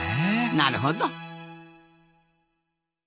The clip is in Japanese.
なるほど。